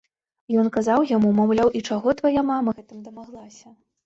Ён казаў яму, маўляў, і чаго твая мама гэтым дамаглася?